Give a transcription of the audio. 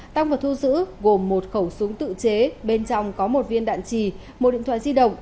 tăng vật thu giữ gồm một khẩu súng tự chế bên trong có một viên đạn trì một điện thoại di động